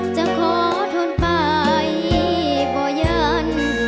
จะขอโทษไปบ่อยัง